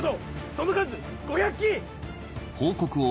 その数５００騎！